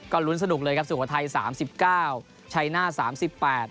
ลุ้นสนุกเลยครับสุโขทัยสามสิบเก้าชัยหน้าสามสิบแปด